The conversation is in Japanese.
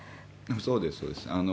そうです、そうです。